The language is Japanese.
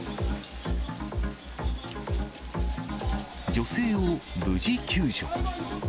女性を無事救助。